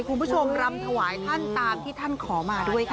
คุณผู้ชมรำถวายท่านตามที่ท่านขอมาด้วยค่ะ